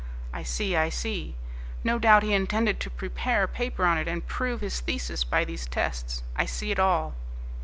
I see, I see. No doubt he intended to prepare a paper on it, and prove his thesis by these tests. I see it all!"